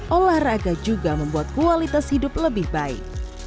olahraga juga membuat kualitas hidup lebih baik